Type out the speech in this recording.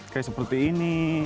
kayak seperti ini